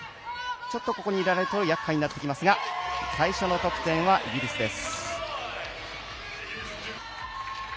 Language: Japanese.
ここにいられると厄介になってきますが最初の得点はイギリスです。